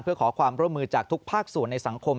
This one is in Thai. เพื่อขอความร่วมมือจากทุกภาคส่วนในสังคม